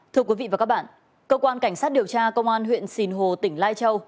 thưa quý vị và các bạn cơ quan cảnh sát điều tra công an huyện sinh hồ tỉnh lai châu